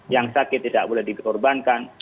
yang sakit tidak boleh dikorbankan